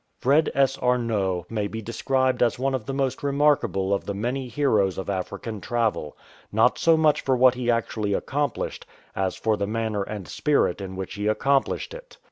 Fred S. Arnot may be described as one of the most remarkable of the many heroes of African travel, not so much for what he actually accomplished as for the manner and spirit in which he accomplished it.